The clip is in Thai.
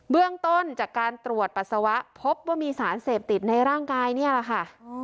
เบื้องต้นจากการตรวจปัสสาวะพบว่ามีสารเสพติดในร่างกายนี่แหละค่ะ